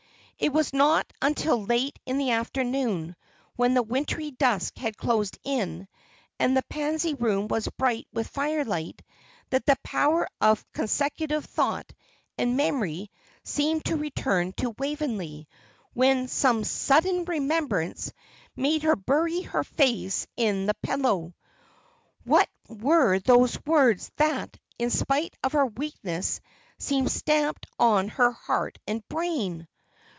It was not until late in the afternoon, when the wintry dusk had closed in, and the Pansy Room was bright with firelight, that the power of consecutive thought and memory seemed to return to Waveney, when some sudden remembrance made her bury her face in the pillow. What were those words that, in spite of her weakness, seemed stamped on her heart and brain?